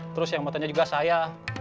terus yang fotonya juga saya